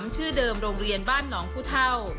ชื่อเดิมโรงเรียนบ้านหนองผู้เท่า